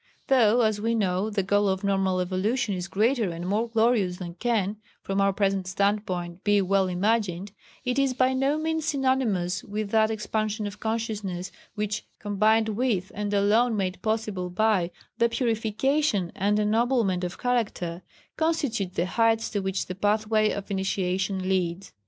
Though, as we know, the goal of normal evolution is greater and more glorious than can, from our present standpoint, be well imagined, it is by no means synonymous with that expansion of consciousness which, combined with and alone made possible by, the purification and ennoblement of character, constitute the heights to which the Pathway of Initiation leads.